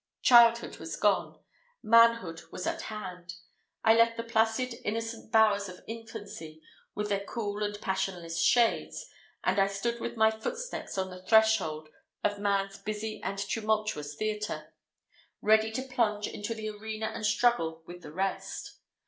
Childhood was gone manhood was at hand. I left the placid, innocent bowers of infancy, with their cool and passionless shades; and I stood with my footstep on the threshold of man's busy and tumultuous theatre, ready to plunge into the arena and struggle with the rest.